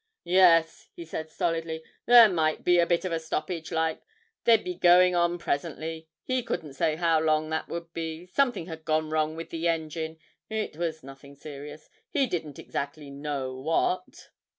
'Yes,' he said, stolidly; 'there might be a bit of a stoppage like; they'd be going on presently; he couldn't say how long that would be; something had gone wrong with the engine; it was nothing serious; he didn't exactly know what.'